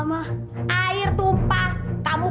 biar tau rasa kamu